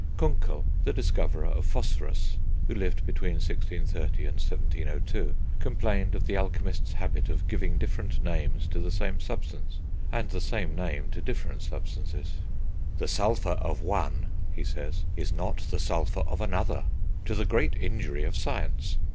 Kunckel, the discoverer of phosphorus, who lived between 1630 and 1702, complained of the alchemists' habit of giving different names to the same substance, and the same name to different substances. "The sulphur of one," he says, "is not the sulphur of another, to the great injury of science.